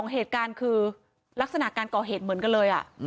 เหตุการณ์คือลักษณะการก่อเหตุเหมือนกันเลย